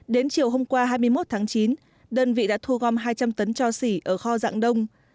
đến chiều hôm qua hai mươi một tháng chín đơn vị đã thu gom hai trăm linh tấn cho xỉ ở kho rạng đông